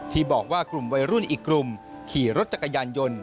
ที่บอกว่ากลุ่มวัยรุ่นอีกกลุ่มขี่รถจักรยานยนต์